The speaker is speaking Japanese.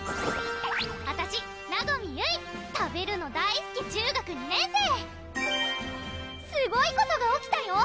あたし和実ゆい食べるの大すき中学２年生すごいことが起きたよ！